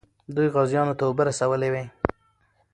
دوی غازیانو ته اوبه رسولې وې.